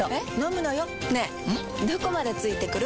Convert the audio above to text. どこまで付いてくる？